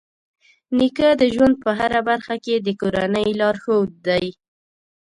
نیکه د ژوند په هره برخه کې د کورنۍ لارښود دی.